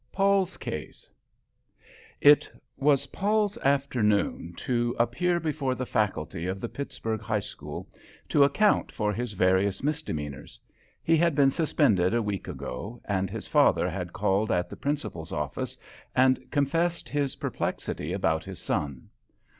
Paul's Case It was Paul's afternoon to appear before the faculty of the Pittsburgh High School to account for his various misdemeanours. He had been suspended a week ago, and his father had called at the Principal's office and confessed his perplexity about his son.